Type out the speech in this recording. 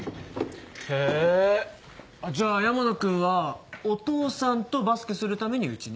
へぇじゃあ山野君はお父さんとバスケするためにうちに？